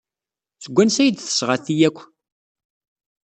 Seg wansi ay d-tesɣa ti akk?